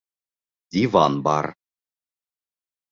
Диван бар